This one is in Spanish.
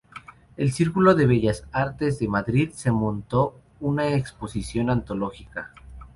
El Círculo de Bellas Artes de Madrid se montó una exposición antológica.